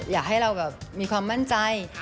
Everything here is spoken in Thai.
อยากให้เราแบบมีความมั่นใจ